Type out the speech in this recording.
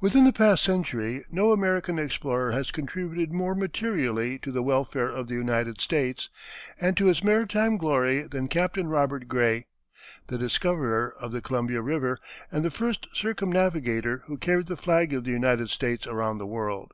Within the past century no American explorer has contributed more materially to the welfare of the United States and to its maritime glory than Captain Robert Gray, the discoverer of the Columbia River and the first circumnavigator who carried the flag of the United States around the world.